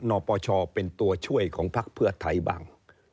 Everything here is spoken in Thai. นปชเป็นตัวช่วยของพักเพื่อไทยบ้าง